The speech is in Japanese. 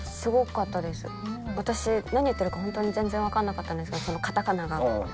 私何言ってるか全然分かんなかったんですがそのカタカナが。